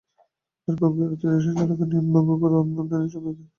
দুর্ভোগ এড়াতে রিকশাচালকেরা নিয়ম ভঙ্গ করে অন্য লেন দিয়ে চলাচল করে।